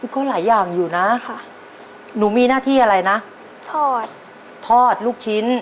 ก็หลายอย่างอยู่นะค่ะหนูมีหน้าที่อะไรนะทอดทอดลูกชิ้น